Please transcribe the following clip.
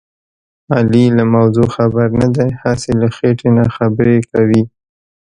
علي له موضوع خبر نه دی. هسې له خېټې نه خبرې کوي.